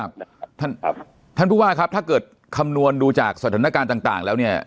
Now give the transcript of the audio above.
ครับท่านครับท่านผู้ว่าครับถ้าเกิดคำนวณดูจากสถานการณ์ต่างต่างแล้วเนี่ย